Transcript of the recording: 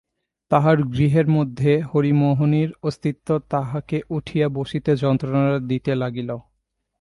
তাঁহার গৃহের মধ্যে হরিমোহিনীর অস্তিত্ব তাঁহাকে উঠিতে বসিতে যন্ত্রণা দিতে লাগিল।